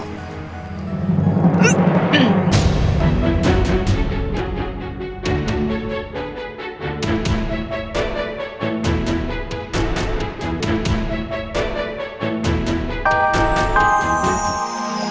aku bahagia kum